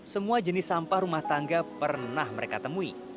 semua jenis sampah rumah tangga pernah mereka temui